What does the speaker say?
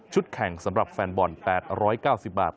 แข่งสำหรับแฟนบอล๘๙๐บาท